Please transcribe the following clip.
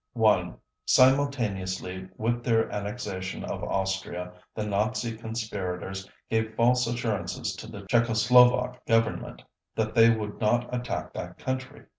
Simultaneously with their annexation of Austria the Nazi conspirators gave false assurances to the Czechoslovak Government that they would not attack that country.